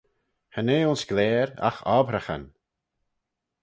Cha nee ayns glare agh obbraghyn.